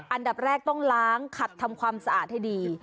อันดับแรกต้องล้างขัดทำความสะอาดให้ดี